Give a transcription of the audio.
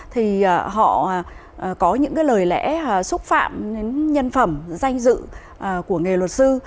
thì họ có những lời lẽ xúc phạm nhân phẩm danh dự của nghề luật sư